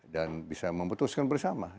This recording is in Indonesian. dan bisa memutuskan bersama